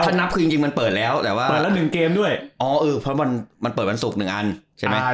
ถ้านับคือจริงจริงมันเปิดแล้วแต่ว่าเปิดแล้วหนึ่งเกมด้วยอ๋อเออเพราะมันเปิดวันศุกร์หนึ่งอันใช่ไหม